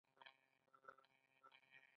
د نیالګي تنه باید په څه شي وپوښم؟